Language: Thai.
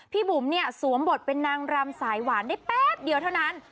บุ๋มเนี่ยสวมบทเป็นนางรำสายหวานได้แป๊บเดียวเท่านั้น